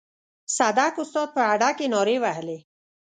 صدک استاد په هډه کې نارې وهلې.